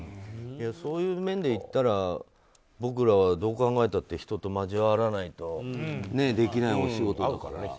そういう面で言ったら僕らはどう考えたって人と交わらないとできないお仕事だから。